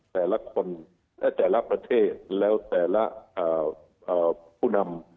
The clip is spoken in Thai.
แต่ละประเทศแล้วแต่ละผู้นำ